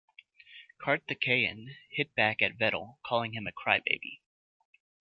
Karthikeyan hit back at Vettel, calling him a "cry-baby".